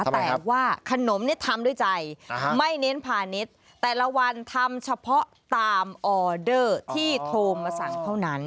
แต่ว่าขนมนี่ทำด้วยใจไม่เน้นพาณิชย์แต่ละวันทำเฉพาะตามออเดอร์ที่โทรมาสั่งเท่านั้น